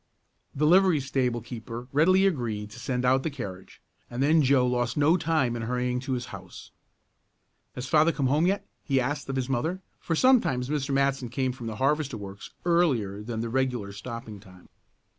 The livery stable keeper readily agreed to send out the carriage, and then Joe lost no time in hurrying to his house. "Has father come home yet?" he asked of his mother, for sometimes Mr. Matson came from the harvester works earlier than the regular stopping time.